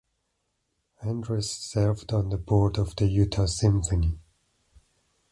Andrus served on the board of the Utah Symphony.